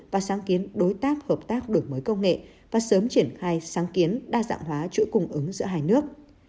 và sáng kiến đối tác hợp tác đổi mới công nghệ và sớm triển khai sáng kiến đa dạng hóa chuỗi cung ứng giữa hai nước